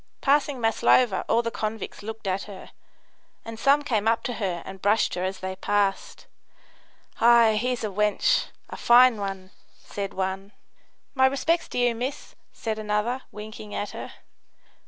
Passing Maslova, all the convicts looked at her, and some came up to her and brushed her as they passed. "Ay, here's a wench a fine one," said one. "My respects to you, miss," said another, winking at her.